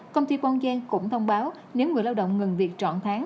công ty bon giang cũng thông báo nếu người lao động ngừng việc trọn tháng